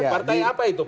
partai apa itu